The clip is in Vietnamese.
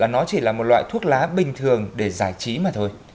nó chỉ là một loại thuốc lá bình thường để giải trí mà thôi